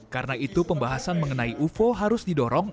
karena itu pembahasan mengenai ufo harus didorong